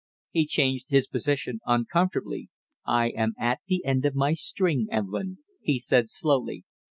He changed his position uncomfortably. "I am at the end of my string, Evelyn," he said slowly.